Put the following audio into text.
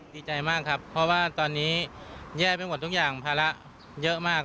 ดีใจมากครับเพราะว่าตอนนี้แย่ไปหมดทุกอย่างภาระเยอะมาก